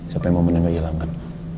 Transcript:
sampai momennya gak hilang kan